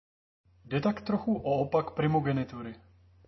Jde tak trochu o opak primogenitury.